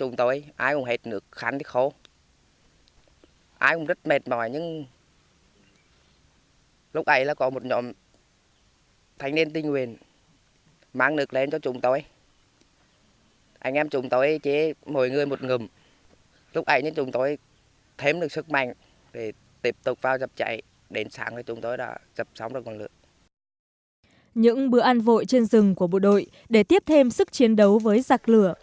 những bữa ăn vội trên rừng của bộ đội để tiếp thêm sức chiến đấu với giặc lửa